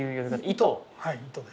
糸？